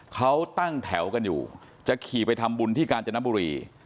เขาตั้งแถวกันอยู่จะขี่ไปทำบุญที่กาญจนบุรี